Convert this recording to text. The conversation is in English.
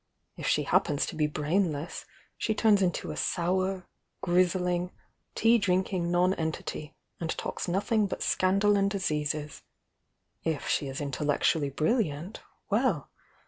If she happens to be brainless, she turns into a sour, grizzling, tea drinking nonentity and talks nothing but scandal and diseases, — if she is intellectually brilliant, well!